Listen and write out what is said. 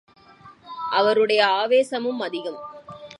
அவருடைய ஆவேசமும் அதிகம்!